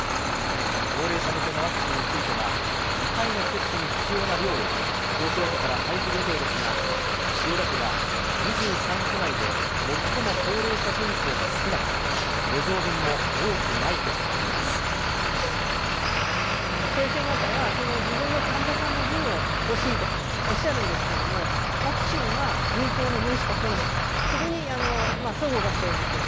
高齢者向けのワクチンについては、２回の接種に必要な量を、東京都から配布予定ですが、千代田区は２３区内で最も高齢者人口が少なく、余剰分も多くない先生方は、自分の患者さんの分を欲しいとおっしゃるんですけども、ワクチンは人口の分しか来ないと、そこにそごが生じている。